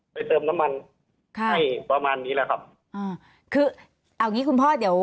เติมน้ำมันค่ะให้ประมาณนี้แหละครับอ่าคือเอางี้คุณพ่อเดี๋ยว